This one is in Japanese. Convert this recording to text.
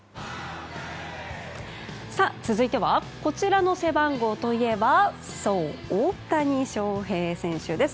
続いてはこちらの背番号といえばそう、大谷翔平選手です。